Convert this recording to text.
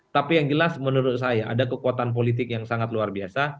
tapi yang jelas menurut saya ada kekuatan politik yang sangat luar biasa